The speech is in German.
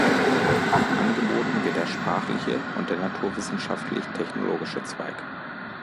Angeboten wird der sprachliche und der naturwissenschaftlich-technologische Zweig.